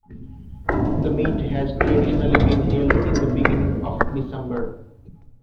The meet has traditionally been held in the beginning of December.